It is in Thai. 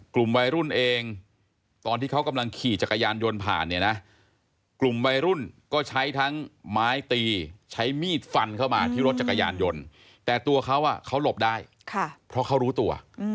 กลุ่มวัยรุ่นเองตอนที่เขากำลังขี่จักรยานยนต์ผ่านเนี่ยนะกลุ่มวัยรุ่นก็ใช้ทั้งไม้ตีใช้มีดฟันเข้ามาที่รถจักรยานยนต์แต่ตัวเขาเขาหลบได้เพราะเขารู้ตัว